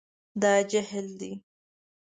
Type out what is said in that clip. دا جهیل دی